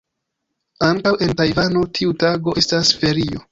Ankaŭ en Tajvano tiu tago estas ferio.